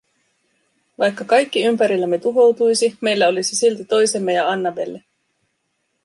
Vaikka kaikki ympärillämme tuhoutuisi, meillä olisi silti toisemme ja Annabelle.